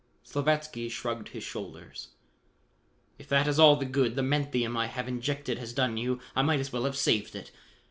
Slavatsky shrugged his shoulders. "If that is all the good the menthium I have injected has done you, I might as well have saved it.